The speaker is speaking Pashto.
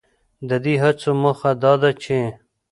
ددې هڅو موخه دا ده چې